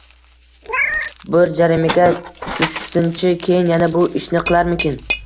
Bir jarimaga tushsinchi keyin yana bu ishni qilarmikin?!